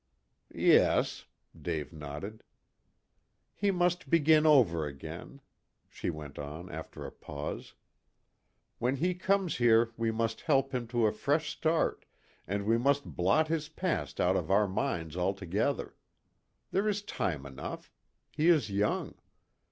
"Yes," Dave nodded. "He must begin over again," she went on, after a pause. "When he comes here we must help him to a fresh start, and we must blot his past out of our minds altogether. There is time enough. He is young.